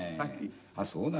あっそうなの。